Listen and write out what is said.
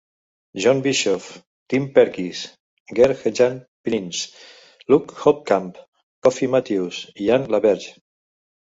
John Bischoff, Tim Perkis, Gert-Jan Prins, Luc Houtkamp, Kaffe Matthews i Anne LaBerge.